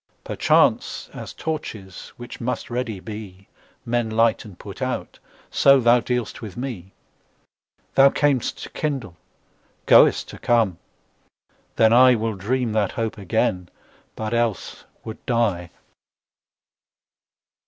Perchance, as torches, which must ready be, Men light and put out, so thou dealst with me. Thou cam'st to kindle, goest to come: then IWill dream that hope again, but else would die.